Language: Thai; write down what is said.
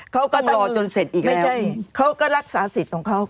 เขาก็รอจนเสร็จอีกแล้วเขาก็รักษาสิทธิ์ของเขา